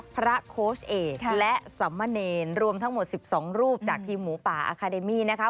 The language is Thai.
โค้ชเอกและสำมะเนรรวมทั้งหมด๑๒รูปจากทีมหมูป่าอาคาเดมี่นะคะ